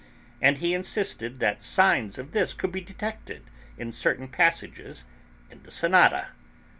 And he insisted that signs of this could be detected in certain passages in the sonata.